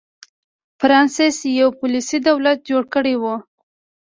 فرانسس یو پولیسي دولت جوړ کړی و.